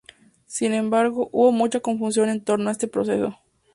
Sin embargo, hubo mucha confusión en torno a este proceso.